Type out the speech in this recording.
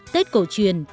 tết cổ truyền